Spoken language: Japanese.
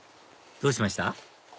どうしました？